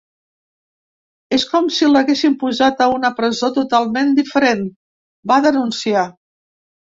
És com si l’haguessin posat a una presó totalment diferent, va denunciar.